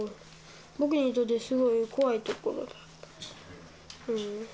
僕にとってすごい怖いところだった。